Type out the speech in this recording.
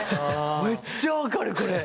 めっちゃ分かるこれ。